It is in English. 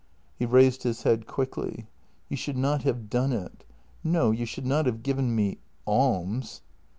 He raised his head quickly: " You should not have done it. No, you should not have given me — alms."